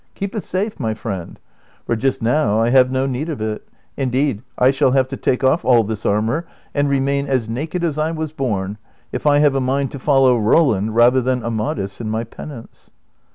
Keep it safe, my. friend, for just now I have no need of it ; indeed, I shall have to take oft' all this armor and remain as naked as I was born, if I have a mind to follow Roland rather than Amadis in my penance."